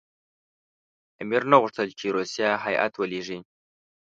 امیر نه غوښتل چې روسیه هېئت ولېږي.